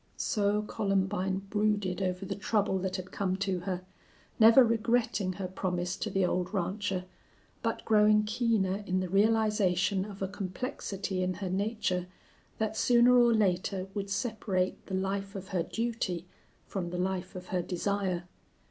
So Columbine brooded over the trouble that had come to her, never regretting her promise to the old rancher, but growing keener in the realization of a complexity in her nature that sooner or later would separate the life of her duty from the life of her desire.